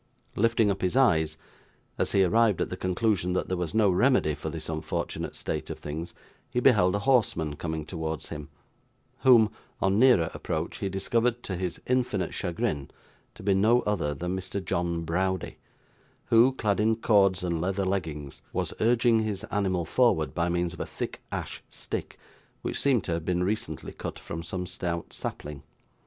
Lifting up his eyes, as he arrived at the conclusion that there was no remedy for this unfortunate state of things, he beheld a horseman coming towards him, whom, on nearer approach, he discovered, to his infinite chagrin, to be no other than Mr. John Browdie, who, clad in cords and leather leggings, was urging his animal forward by means of a thick ash stick, which seemed to have been recently cut from some stout sapling.